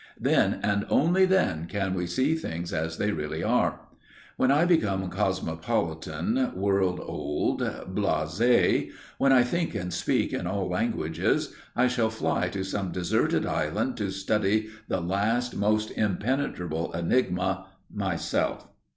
Then, and only then, can we see things as they really are. When I become cosmopolitan, world old, blasé, when I think and speak in all languages, I shall fly to some deserted island to study the last, most impenetrable enigma myself.